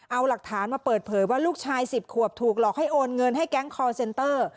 เอาหลักฐานมาเปิดเผยว่าลูกชาย๑๐ขวบถูกหลอกให้โอนเงินให้แก๊งคอร์เซนเตอร์